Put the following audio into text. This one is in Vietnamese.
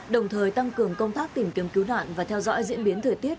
đồng thời tăng cường công tác tìm kiếm cứu nạn và theo dõi diễn biến thời tiết